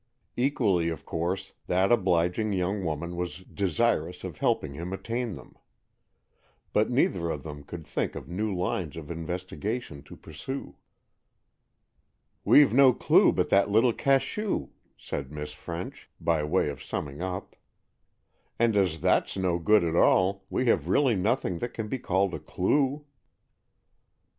Equally of course, that obliging young woman was desirous of helping him attain them. But neither of them could think of new lines of investigation to pursue. "We've no clue but that little cachou," said Miss French, by way of summing up; "and as that's no good at all, we have really nothing that can be called a clue."